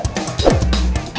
lo sudah bisa berhenti